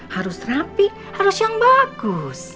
harus rapi harus yang bagus